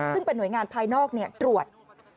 ซึ่งเป็นหน่วยงานภายนอกตรวจ